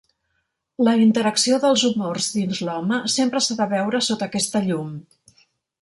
La interacció dels humors dins l'home sempre s'ha de veure sota aquesta llum.